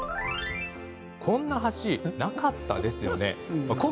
こんな橋なかったですよね？